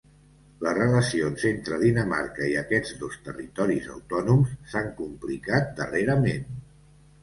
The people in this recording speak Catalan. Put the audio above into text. Les relacions entre Dinamarca i aquests dos territoris autònoms s’han complicat, darrerament.